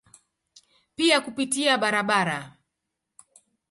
Pia kupitia barabara.